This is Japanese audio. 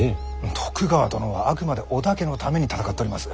徳川殿はあくまで織田家のために戦っとります。